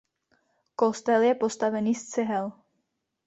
Kostel je postavený z cihel.